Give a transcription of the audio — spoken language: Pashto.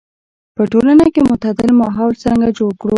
په ټولنه کې معتدل ماحول څرنګه جوړ کړو.